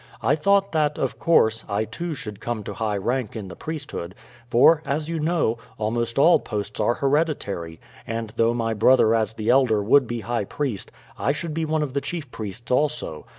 I thought that, of course, I too should come to high rank in the priesthood; for, as you know, almost all posts are hereditary, and though my brother as the elder would be high priest, I should be one of the chief priests also.